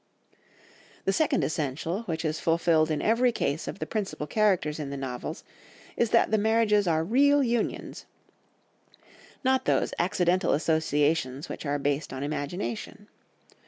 The second essential, which is fulfilled in every case of the principal characters in the novels, is that the marriages are real unions, not those accidental associations which are based on imagination.